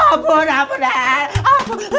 ampun ampun deh